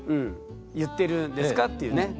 言ってるんですかっていうね。